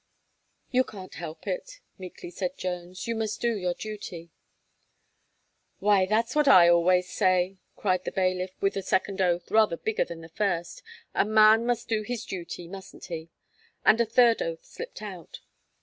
"You can't help it," meekly said Jones, "you must do your duty." "Why that's what I always say," cried the bailiff with a second oath, rather bigger than the first, "a man must do his duty, mustn't he?" and a third oath slipped out.